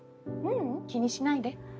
ううん気にしないで。